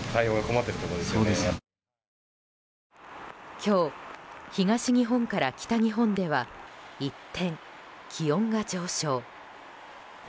今日東日本から北日本では一転気温が上昇。